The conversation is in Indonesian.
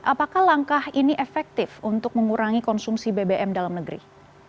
apakah langkah ini efektif untuk mengurangi konsumsi bbm dalam negeri